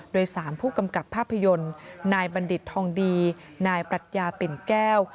โดย๓ผู้กำกับภาพยนตร์นายบัณฑิตทองดีนายปรัชญาปิ่นแก้ว